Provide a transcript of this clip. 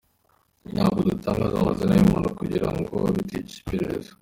Ntabwo dutangaza amazina y’umuntu kugirango bitica iperereza.